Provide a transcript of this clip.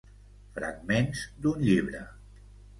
Fragments d'un llibre.